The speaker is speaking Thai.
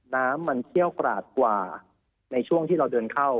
น้ำมันเชี่ยวกราดกว่าในช่วงที่เราเดินเข้า